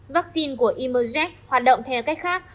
vaccine của e merge jack hoạt động theo cách khác